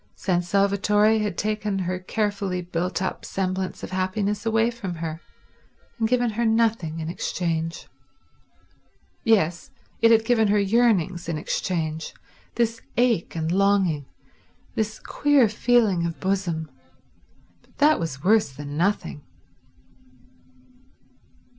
San Salvatore had taken her carefully built up semblance of happiness away from her, and given her nothing in exchange. Yes—it had given her yearnings in exchange, this ache and longing, this queer feeling of bosom; but that was worse than nothing.